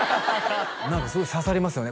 何かすごい刺さりますよね